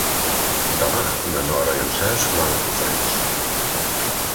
Demà na Nora i en Cesc van a Cofrents.